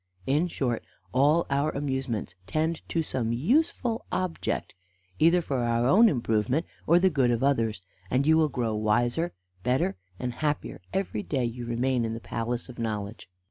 In short, all our amusements tend to some useful object, either for our own improvement or the good of others, and you will grow wiser, better, and happier every day you remain in the palace of Knowledge."